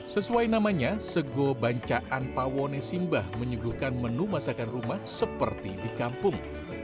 sesuai namanya seko banjaan pawanisimba menyuguhkan menu masakan rumah seperti di kampung